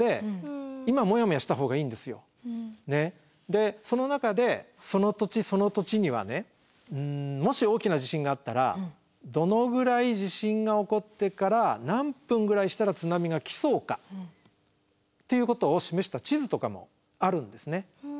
でその中でその土地その土地にはねもし大きな地震があったらどのぐらい地震が起こってから何分ぐらいしたら津波がきそうかっていうことを示した地図とかもあるんですね。